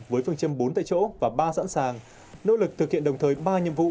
với phương châm bốn tại chỗ và ba sẵn sàng nỗ lực thực hiện đồng thời ba nhiệm vụ